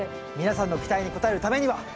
皆さんの期待に応えるためには。